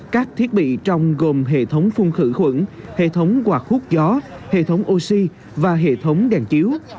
các thiết bị trong gồm hệ thống phun khử khuẩn hệ thống quạt khúc gió hệ thống oxy và hệ thống đèn chiếu